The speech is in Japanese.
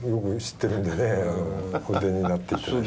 お出になっていただいたしね。